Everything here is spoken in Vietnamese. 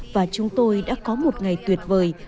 và chúng tôi đã có một ngày tuyệt vời